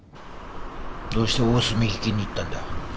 どうして大澄池に行ったんだ？